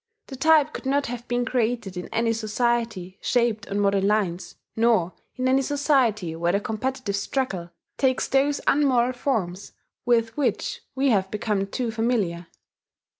The type could not have been created in any society shaped on modern lines, nor in any society where the competitive struggle takes those unmoral forms with which we have become too familiar.